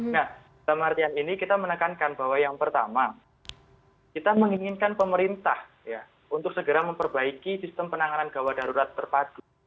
nah dalam artian ini kita menekankan bahwa yang pertama kita menginginkan pemerintah untuk segera memperbaiki sistem penanganan gawat darurat terpadu